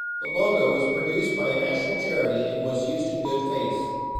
The logo was produced by a national charity and was used in good faith.